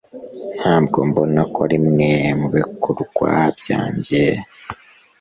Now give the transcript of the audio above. Ntabwo mbona ko arimwe mubikorwa byanjye